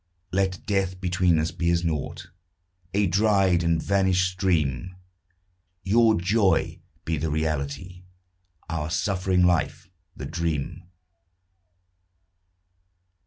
Let death between us be as naught, A dried and vanished stream; Your joy be the reality. Our suffering life the dream.